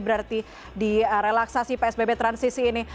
berarti direlaksasi psbb transisi ini